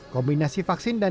kombinasi vaksin dan disinfektan